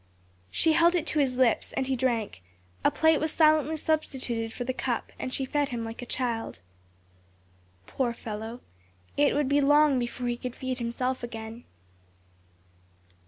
She held it to his lips and he drank; a plate was silently substituted for the cup and she fed him like a child. Poor fellow! it would be long before he could feed himself again.